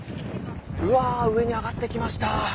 うわあ上に上がってきました。